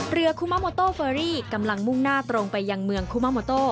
คุมาโมโตเฟอรี่กำลังมุ่งหน้าตรงไปยังเมืองคุมะโมโต